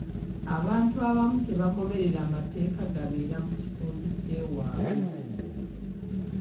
Abantu abamu tebagoberera mateeka gabeera mu kitundu ky'ewaabwe.